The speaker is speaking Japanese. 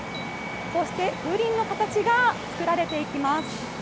こうして風鈴の形が作られていきます。